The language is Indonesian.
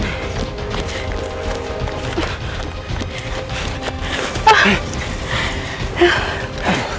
ada pada sana